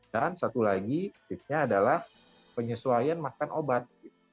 dan satu lagi tipsnya adalah penyesuaian makan obat